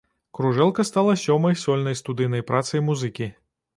Кружэлка стала сёмай сольнай студыйнай працай музыкі.